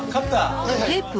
お願いします。